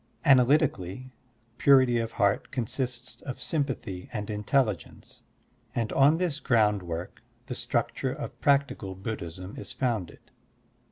Analytically, purity of heart consists of sym pathy and intelligence, and on this groundwork the structure of practical Buddhism is fotmded.